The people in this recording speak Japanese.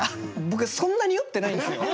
僕そんなに酔ってないんですよ。